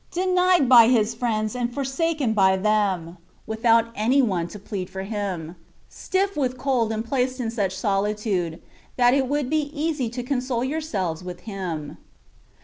denied by His friends and forsjJten by them, without any one to plead for Him ; stiflF with cold, and placed in such solitude, that it would be easy to console yourselves with Him.